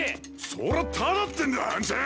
それはタダってんだあんちゃん！